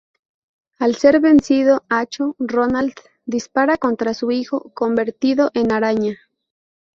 Al ser vencido Acho, Roland dispara contra su hijo, convertido en araña.